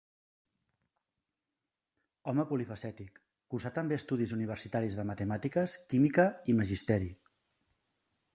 Home polifacètic, cursà també estudis universitaris de Matemàtiques, Química i Magisteri.